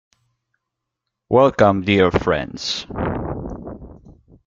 Welcome, dear friends.